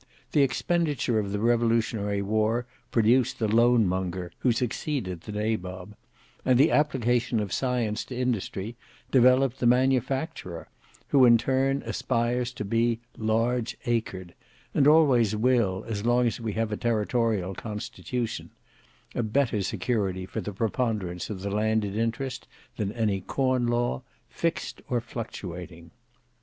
The expenditure of the revolutionary war produced the Loanmonger, who succeeded the Nabob; and the application of science to industry developed the Manufacturer, who in turn aspires to be "large acred," and always will, as long as we have a territorial constitution; a better security for the preponderance of the landed interest than any corn law, fixed or fluctuating.